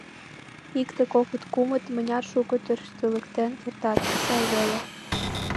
«Икте, кокыт, кумыт...» — мыняр шуко тӧрштылыктен кертат — сай веле.